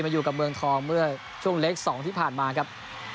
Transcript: อยู่กับเมืองทองเมื่อช่วงเล็ก๒ที่ผ่านมาครับ